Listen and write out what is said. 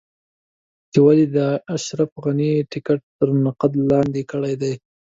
چې ولې دې د اشرف غني ټکټ تر نقد لاندې کړی دی.